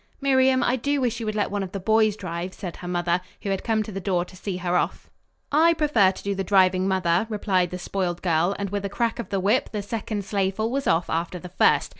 "Miriam, I do wish you would let one of the boys drive," said her mother, who had come to the door to see her off. "I prefer to do the driving, mother," replied the spoiled girl, and with a crack of the whip, the second sleighful was off after the first.